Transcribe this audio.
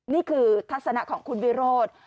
นี่คือทัศนะของคุณวิโรธ